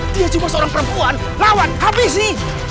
dia cuma seorang perempuan lawan habisi